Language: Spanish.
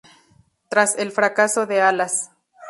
Tras el fracaso de "Alas!